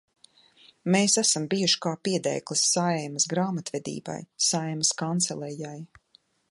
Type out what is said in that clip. Mēs esam bijuši kā piedēklis Saeimas grāmatvedībai, Saeimas Kancelejai.